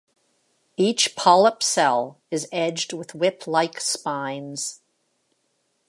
Each polyp cell is edged with whip-like spines.